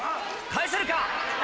返せるか？